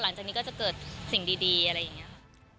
หลังจากนี้ก็จะเกิดสิ่งดีอะไรอย่างนี้ค่ะ